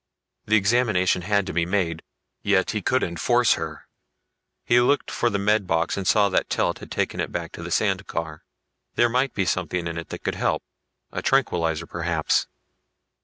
The examination had to be made yet he couldn't force her. He looked for the med box and saw that Telt had taken it back to the sand car. There might be something in it that could help a tranquilizer perhaps.